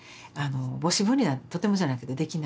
母子分離なんてとてもじゃないけどできない。